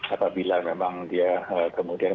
apabila memang dia kemudian